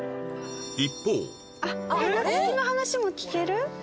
一方夏希の話も聞ける？